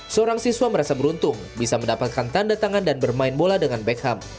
seorang siswa merasa beruntung bisa mendapatkan tanda tangan dan bermain bola dengan beckham